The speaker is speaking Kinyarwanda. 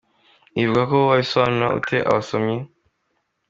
Ibi bikuvugwaho, wabisobanurira ute abasomyi ?